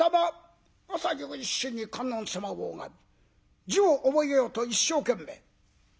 朝夕一心に観音様を拝み字を覚えようと一生懸命。